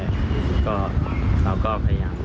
เราก็พยายาม